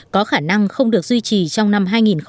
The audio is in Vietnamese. có khả năng không được duy trì trong năm hai nghìn một mươi tám